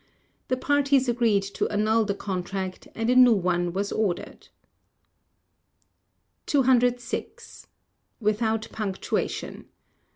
The parties agreed to annul the contract, and a new one was ordered. 206. Without Punctuation.